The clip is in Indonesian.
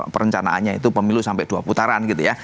perencanaannya itu pemilu sampai dua putaran gitu ya